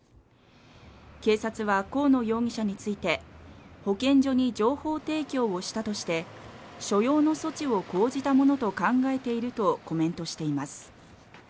警察は河野容疑者について保健所に情報提供をしたとして所要の措置を講じたものと考えているとコメントしています